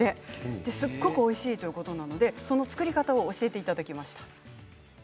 すごくおいしいということなのでその作り方を教えていただきました。